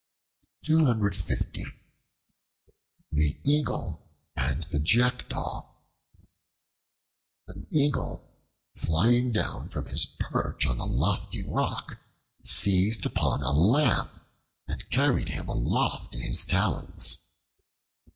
The Eagle and the Jackdaw AN EAGLE, flying down from his perch on a lofty rock, seized upon a lamb and carried him aloft in his talons.